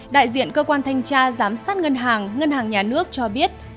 đại diện cơ quan thanh tra giám sát ngân hàng ngân hàng nhà nước cho biết